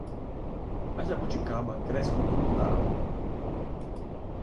A jabuticaba cresce no tronco da árvore.